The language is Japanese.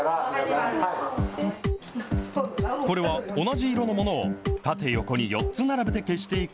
これは同じ色のものを縦横に４つ並べて消していく